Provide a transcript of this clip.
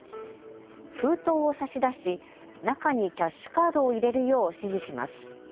封筒を差し出し中にキャッシュカードを入れるよう指示します。